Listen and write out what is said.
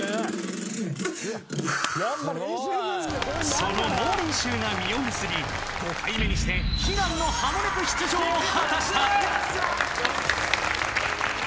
［その猛練習が実を結び５回目にして悲願の『ハモネプ』出場を果たした］